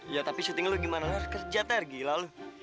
ya tapi syuting lu gimana kerja tergila lu